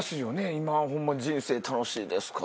今ホンマに「人生楽しいですか？」